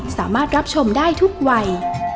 สามารถรับชมได้ทุกวัย